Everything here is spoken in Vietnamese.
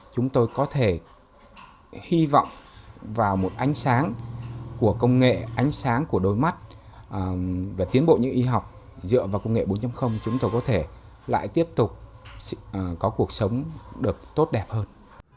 chúng tôi có thể hy vọng vào một ánh sáng của công nghệ ánh sáng của đôi mắt và tiến bộ như y học dựa vào công nghệ bốn chúng tôi có thể lại tiếp tục có cuộc sống được tốt đẹp hơn